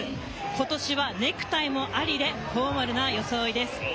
ことしはネクタイもありでフォーマルな装いです。